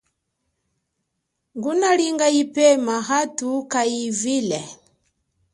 Ngunalinga yipema athu kayivile.